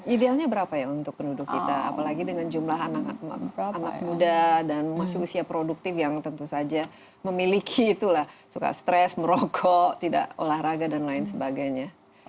idealnya berapa ya untuk penduduk kita apalagi dengan jumlah anak muda dan masih usia produktif yang tentu saja memiliki itulah suka stres merokok tidak olahraga dan lain sebagainya